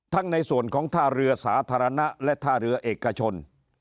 ในส่วนของท่าเรือสาธารณะและท่าเรือเอกชน